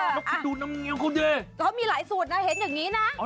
อ๋อเหรอน้ำเงี๊ยวเขาดีเขามีหลายสูตรนะเห็นอย่างนี้นะ